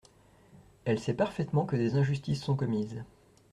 Elle sait parfaitement que des injustices sont commises.